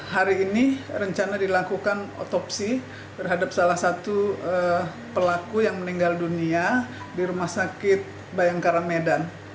hari ini rencana dilakukan otopsi terhadap salah satu pelaku yang meninggal dunia di rumah sakit bayangkara medan